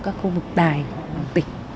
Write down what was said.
các khu vực tài tỉnh